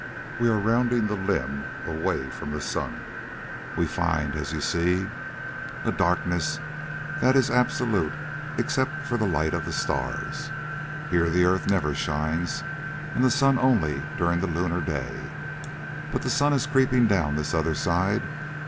We are rounding the limb away from the sun. We find, as you see, a darkness that is absolute except for the light of the stars. Here the earth never shines, and the sun only during the lunar day. But the sun is creeping down this other side.